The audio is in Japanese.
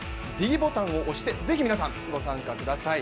ｄボタンを押して、是非皆さん、ご参加ください。